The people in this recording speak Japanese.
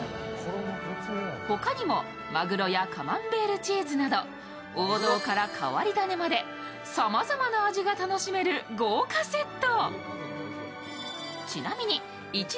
他にもまぐろやカマンベールチーズなど王道から変わり種までさまざまな味が楽しめる豪華セット。